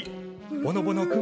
ぼのぼの君